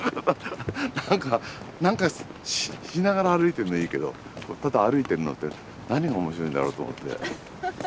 何か何かしながら歩いてんのはいいけどただ歩いてるのって何が面白いんだろうと思って。